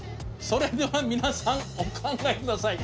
それでは皆さんお考え下さい。